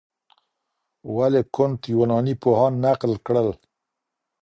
ولي کُنت يوناني پوهان نقد کړل؟